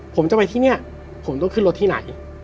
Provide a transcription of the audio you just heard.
ผมจะไปที่นี่ผมต้องขึ้นรถที่ไหน